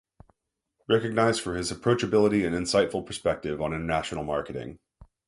Recognized for his approachability and insightful perspective on international marketing.